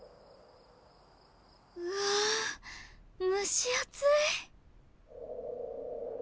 うわ蒸し暑い。